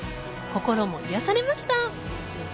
心も癒やされました！